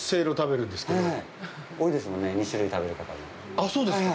あっ、そうですか。